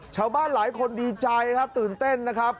ชาวบ้านหลายคนดีใจครับตื่นเต้นนะครับ